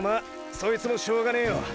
そいつもしょうがねェよ！！